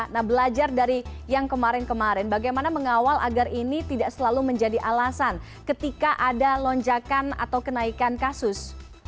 nah belajar dari yang kemarin kemarin bagaimana mengawal agar ini tidak selalu menjadi alasan ketika ada lonjakan atau kenaikan kasus